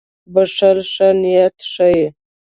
• بښل ښه نیت ښيي.